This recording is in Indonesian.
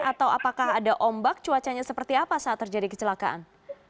atau apakah ada ombak cuacanya seperti apa saat terjadi kecelakaan